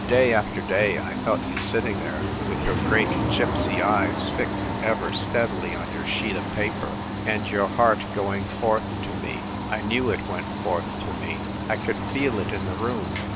Day after day I felt you sitting there, with your great gypsy eyes fixed ever steadily on your sheet of paper, and your heart going forth to me. I knew it went forth to me. I could feel it in the room.